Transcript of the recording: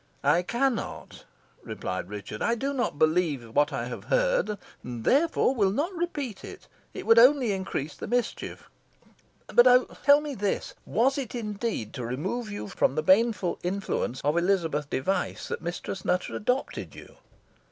"I cannot," replied Richard. "I do not believe what I have heard, and therefore will not repeat it. It would only increase the mischief. But oh! tell me this! Was it, indeed, to remove you from the baneful influence of Elizabeth Device that Mistress Nutter adopted you?"